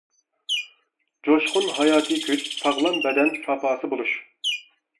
جۇشقۇن ھاياتىي كۈچ، ساغلام بەدەن ساپاسى بولۇش.